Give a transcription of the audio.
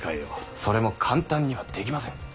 それも簡単にはできませぬ。